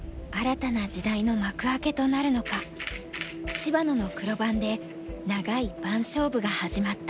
芝野の黒番で長い番勝負が始まった。